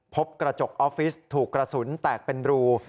พบกระจกออฟฟิศถูกกระสุนแตกเป็นรู